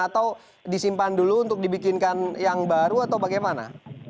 atau disimpan dulu untuk dibikinkan yang baru atau bagaimana